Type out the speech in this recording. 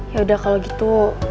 yaudah kalo gitu